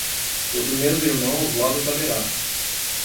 O dos meus irmãos logo saberá.